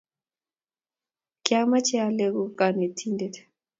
kiameche aleku konetindet